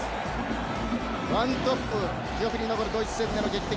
１トップ、記憶に残るドイツ戦での逆転